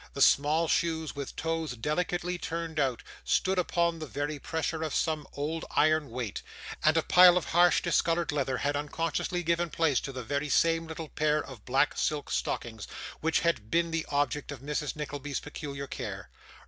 The small shoes, with toes delicately turned out, stood upon the very pressure of some old iron weight; and a pile of harsh discoloured leather had unconsciously given place to the very same little pair of black silk stockings, which had been the objects of Mrs. Nickleby's peculiar care.